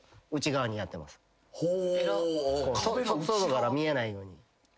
外から見えないように。